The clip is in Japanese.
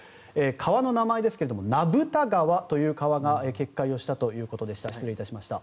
川の名前ですが名蓋川という川が決壊をしたということでした。